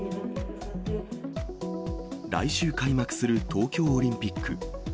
来週開幕する東京オリンピック。